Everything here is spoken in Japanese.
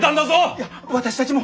いや私たぢも。